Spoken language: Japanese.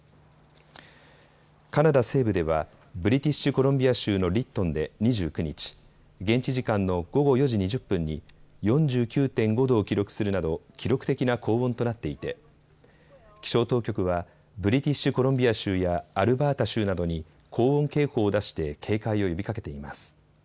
カナダ西部ではブリティッシュ・コロンビア州のリットンで２９日、現地時間の午後４時２０分に４９．５度を記録するなど記録的な高温となっていて気象当局はブリティッシュ・コロンビア州やアルバータ州などに高温警報を出して警戒を呼びかけています。